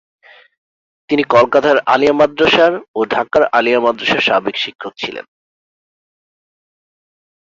তিনি কলকাতার আলিয়া মাদ্রাসার ও ঢাকার আলিয়া মাদ্রাসার সাবেক শিক্ষক ছিলেন।